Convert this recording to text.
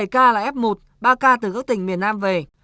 bảy ca là f một ba ca từ các tỉnh miền nam về